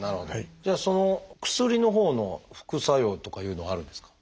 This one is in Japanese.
その薬のほうの副作用とかいうのはあるんですか？